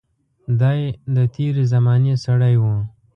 دای د تېرې زمانې سړی و.